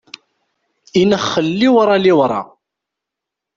Inexxel liwṛa liwṛa.